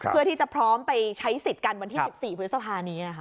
เพื่อที่จะพร้อมไปใช้สิทธิ์กันวันที่๑๔พฤษภานี้ค่ะ